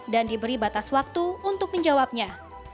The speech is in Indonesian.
dan diberi batas waktu untuk menjawabnya